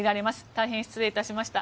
大変失礼いたしました。